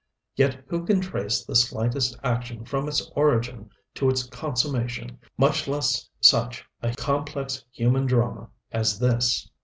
Yet who can trace the slightest action from its origin to its consummation; much less such a complex human drama as this.